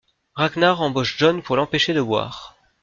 Ragnar embauche John pour l'empêcher de boire.